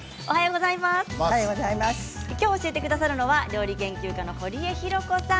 今日、教えてくださるのは料理研究家の堀江ひろ子さん